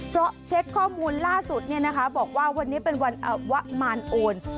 เพราะเช็คข้อมูลล่าสุดบอกว่าวันนี้เป็นวันวะมารโอน